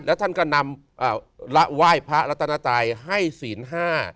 แล้วท่านก็นำไหว้พระรัตนาไตยให้ศีลห้า